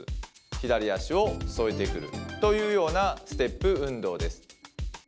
左足を添えてくるというようなステップ運動です。